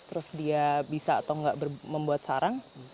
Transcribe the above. terus dia bisa atau nggak membuat sarang